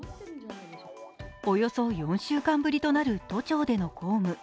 およそ４週間ぶりとなる都庁での公務。